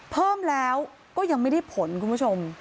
เพิ่มแล้วก็ยังไม่ได้ผลคุณผู้ชม